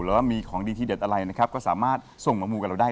ว่ามีของดีที่เด็ดอะไรนะครับก็สามารถส่งมามูกับเราได้